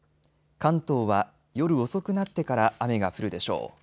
関東は夜遅くなってから雨が降るでしょう。